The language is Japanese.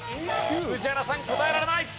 宇治原さん答えられない。